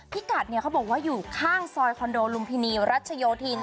พี่กัดเนี่ยเขาบอกว่าอยู่ข้างซอยคอนโดลุมพินีรัชโยธิน